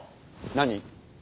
何？